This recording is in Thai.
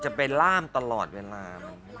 จะเป็นร่ามตลอดเวลา